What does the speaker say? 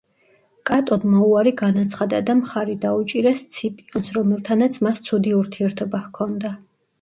კატონმა უარი განაცხადა და მხარი დაუჭირა სციპიონს, რომელთანაც მას ცუდი ურთიერთობა ჰქონდა.